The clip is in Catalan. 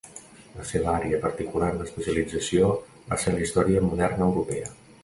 La seva àrea particular d'especialització va ser la història moderna europea.